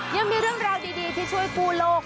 ยังมีเรื่องราวดีที่ช่วยกู้โลก